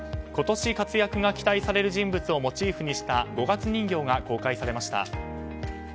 今年活躍が期待される人物をモチーフにした五月人形が公開されました。